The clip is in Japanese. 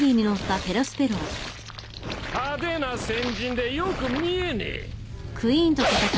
派手な戦じんでよく見えねえ。